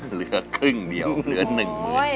เหลือครึ่งเดียวเหลือ๑หมื่น